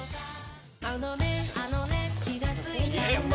あのね、あのね、気が付いたんだ